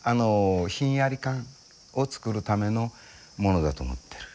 ひんやり感をつくるためのものだと思ってる。